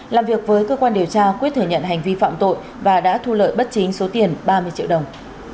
làm việc với cơ quan điều tra quyết thừa nhận hành vi phạm tội và đã thu lợi bất chính số tiền ba mươi triệu đồng